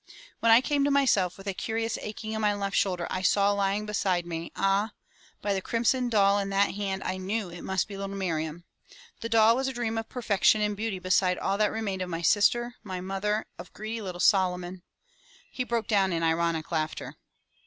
"When I came to myself, with a curious aching in my left shoulder, I saw lying beside me — ^Ah! by the crimson doll in the hand, I knew it must be little Miriam. The doll was a dream of perfec tion and beauty beside all that remained of my sister, my mother, of greedy little Solomon —" He broke down in ironic laughter.